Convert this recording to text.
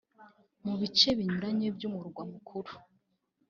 mu bice binyuranye by’umurwa mukuru